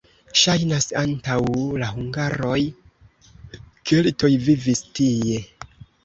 Ŝajnas, antaŭ la hungaroj keltoj vivis tie.